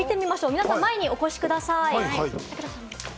皆さん前にお越しください。